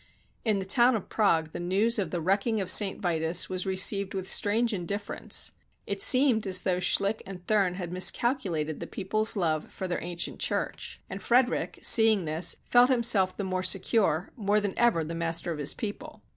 In the town of Prague the news of the wrecking of St. Vitus was received with strange indifference. It seemed as though Schlick and Thurn had miscalculated the people's love for their ancient church, and Frederick, 295 AUSTRIA HUNGARY seeing this, felt himself the more secure, more than ever the master of his people.